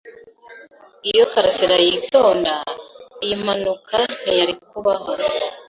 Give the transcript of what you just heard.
Iyo karasira yitonda, iyi mpanuka ntiyari kubaho.